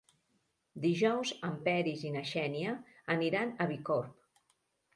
Dijous en Peris i na Xènia aniran a Bicorb.